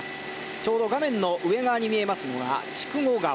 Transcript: ちょうど画面の上側に見えるのが筑後川。